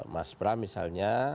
mas pram misalnya